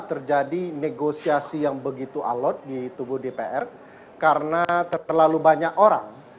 terjadi negosiasi yang begitu alot di tubuh dpr karena terlalu banyak orang